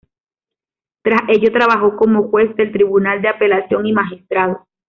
Tras ello, trabajó como juez del tribunal de apelación y magistrado.